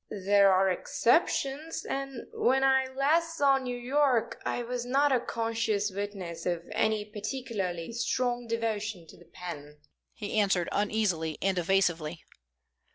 "There are exceptions, and when I last saw New York I was not a conscious witness of any particularly strong devotion to the pen," he answered, uneasily and evasively.